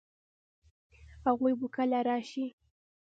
هغوی به کله راشي؟